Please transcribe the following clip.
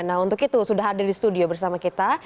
nah untuk itu sudah hadir di studio bersama kita